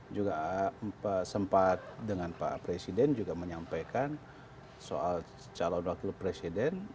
juga sempat dengan pak presiden juga menyampaikan soal calon wakil presiden